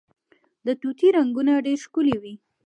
د طوطي رنګونه ډیر ښکلي وي